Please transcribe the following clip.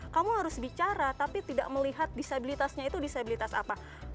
kamu harus bicara tapi tidak melihat disabilitasnya itu disabilitas apa